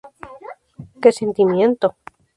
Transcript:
Que Sentimiento!